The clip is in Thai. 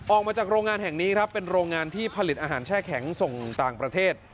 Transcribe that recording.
ออกมาจากโรงงานแห่งนี้ครับเป็นโรงงานที่ผลิตอาหารแช่แข็งส่งต่างประเทศ